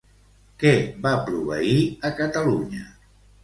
Què va proveir a Catalunya?